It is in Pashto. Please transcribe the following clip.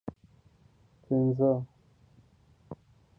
پنځه